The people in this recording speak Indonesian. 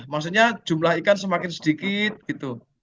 maksudnya jumlah ikan semakin sedikit gitu